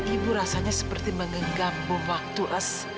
ibu rasanya seperti mengenggam bom waktu es